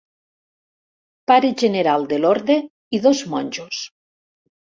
Pare General de l'orde i dos monjos.